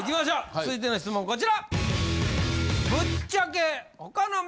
続いての質問こちら！